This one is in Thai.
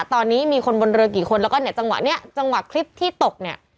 ตอนนี้มีคนบนเรือกี่คนแล้วก็เนี่ยจังหวะเนี้ยจังหวะคลิปที่ตกเนี่ย